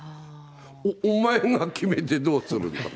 お前が決めてどうするんだと。